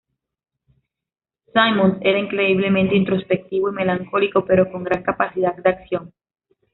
Symonds era increíblemente introspectivo y melancólico, pero con gran capacidad de acción.